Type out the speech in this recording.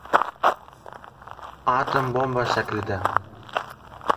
Atom bomba shaklida